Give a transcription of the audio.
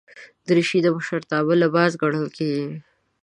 دریشي د مشرتابه لباس ګڼل کېږي.